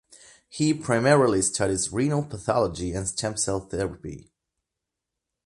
He primarily studies renal pathology and stem cell therapy.